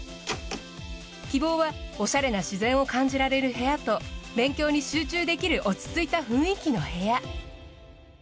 希望はオシャレな自然を感じられる部屋と勉強に集中できる落ち着いた雰囲気の部屋。